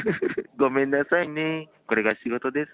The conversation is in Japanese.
ごめんなさいね、これが仕事です